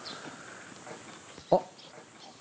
あっ！